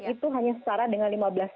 itu hanya sesara dengan